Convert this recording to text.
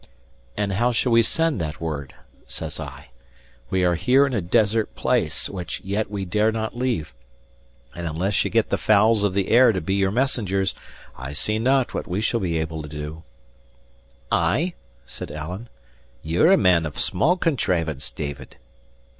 "And how shall we send that word?" says I. "We are here in a desert place, which yet we dare not leave; and unless ye get the fowls of the air to be your messengers, I see not what we shall be able to do." "Ay?" said Alan. "Ye're a man of small contrivance, David."